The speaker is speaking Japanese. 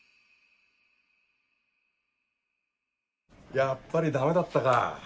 やっぱりダメだったか。